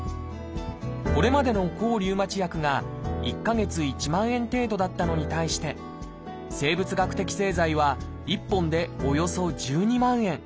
これまでの抗リウマチ薬が１か月１万円程度だったのに対して生物学的製剤は１本でおよそ１２万円。